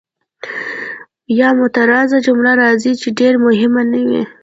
یا معترضه جمله راځي چې ډېره مهمه نه وي.